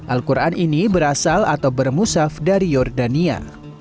al quran ini berasal atau bermusaf dari jordania